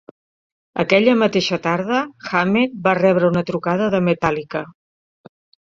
Aquella mateixa tarda, Hammett va rebre una trucada de Metallica.